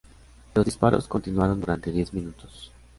Los disparos continuaron durante diez minutos.